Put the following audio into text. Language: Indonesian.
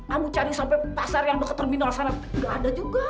kamu cari sampai pasar yang dekat terminal sana nggak ada juga